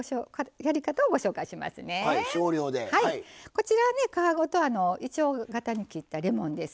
こちらはね皮ごといちょう形に切ったレモンです。